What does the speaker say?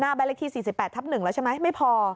บ้านเลขที่๔๘ทับ๑แล้วใช่ไหมไม่พอ